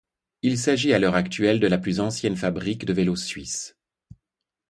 Il s'agit à l'heure actuelle de la plus ancienne fabrique de vélo suisse.